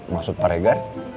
maksud pak regar